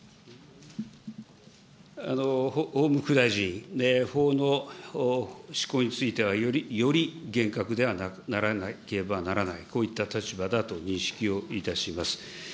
法務副大臣、法の執行についてはより厳格ではならなければならない、こういった立場だと認識をいたします。